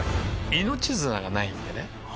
命綱がないんでね。